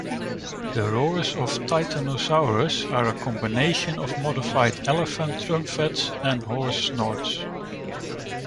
The roars of Titanosaurus are a combination of modified elephant trumpets and horse snorts.